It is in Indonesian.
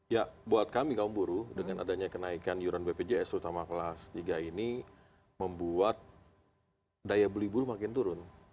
ya buat kami kaum buruh dengan adanya kenaikan yuran bpjs terutama kelas tiga ini membuat daya beli buruh makin turun